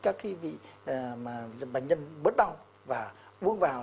các cái vị bệnh nhân bớt đau và uống vào